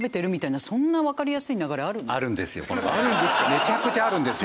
めちゃくちゃあるんですよ。